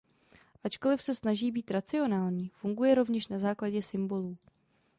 Ačkoliv se snaží být racionální, funguje rovněž na základě symbolů.